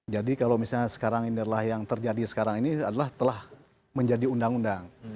jadi kalau misalnya sekarang ini adalah yang terjadi sekarang ini adalah telah menjadi undang undang